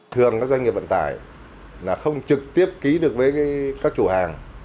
thường các doanh nghiệp vận tải là không trực tiếp ký được với các chủ hàng